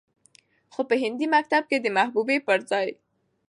خو په هندي مکتب کې د محبوبې پرځاى